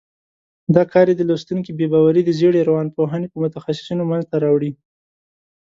دا کار یې د لوستونکي بې باوري د زېړې روانپوهنې په متخصیصینو منځته راوړي.